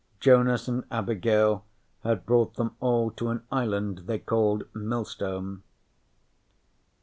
Jonas and Abigail had brought them all to an island they called Millstone.